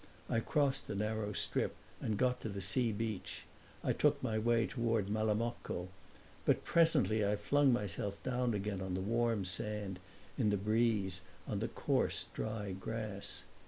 I crossed the narrow strip and got to the sea beach I took my way toward Malamocco. But presently I flung myself down again on the warm sand, in the breeze, on the coarse dry grass.